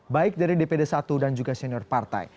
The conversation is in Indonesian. baik dari dpd satu dan juga senior partai